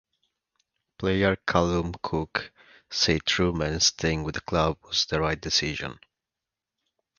Player Callum Cooke said Trueman staying with the club was the right decision.